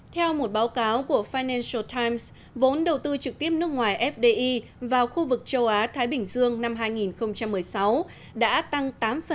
theo một báo cáo của financial times vốn đầu tư trực tiếp nước ngoài fdi vào khu vực châu á thái bình dương năm hai nghìn một mươi sáu đã tăng tám